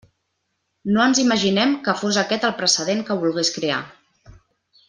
No ens imaginem que fos aquest el precedent que volgués crear.